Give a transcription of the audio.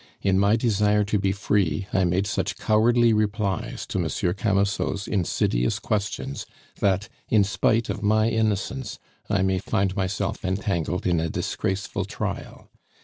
In my desire to be free, I made such cowardly replies to Monsieur Camusot's insidious questions, that, in spite of my innocence, I may find myself entangled in a disgraceful trial.